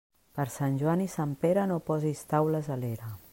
Per Sant Joan i Sant Pere, no posis taules a l'era.